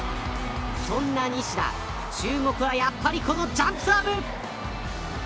そんな西田注目はやっぱりこのジャンプサーブ。